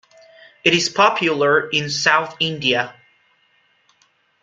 It is popular in South India.